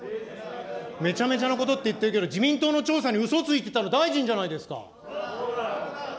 めちゃめちゃなことって言ってるけど、自民党の調査にうそついてたの大臣じゃないですか。